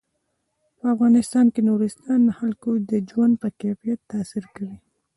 په افغانستان کې نورستان د خلکو د ژوند په کیفیت تاثیر کوي.